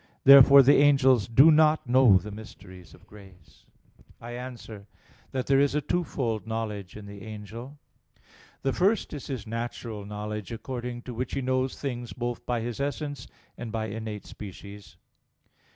Therefore the angels do not know mysteries of grace. I answer that, There is a twofold knowledge in the angel. The first is his natural knowledge, according to which he knows things both by his essence, and by innate species.